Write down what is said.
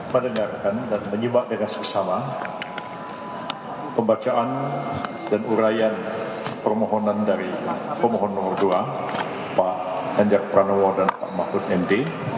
mendengarkan dan menyimak dengan seksama pembacaan dan urayan permohonan dari pemohon nomor dua pak ganjar pranowo dan pak mahfud md